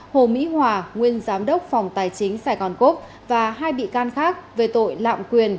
hồ mỹ hòa nguyên giám đốc phòng tài chính sài gòn cốc và hai bị can khác về tội lạm quyền